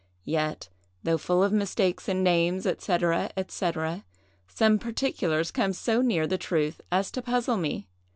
yet, though full of mistakes in names, &c., &c., some particulars come so near the truth as to puzzle me.